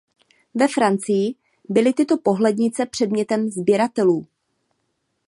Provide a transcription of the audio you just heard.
Ve Francii byly tyto pohlednice předmětem sběratelů.